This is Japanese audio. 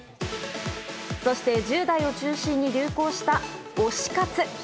そして１０代を中心に流行した推し活。